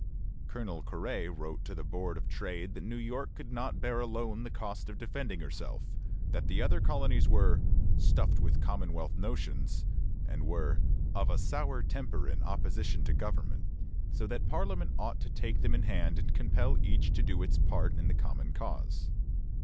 Colonel Quary wrote to the Board of Trade that New York could not bear alone the cost of defending herself; that the other colonies were "stuffed with commonwealth notions," and were "of a sour temper in opposition to government," so that Parliament ought to take them in hand and compel each to do its part in the common cause.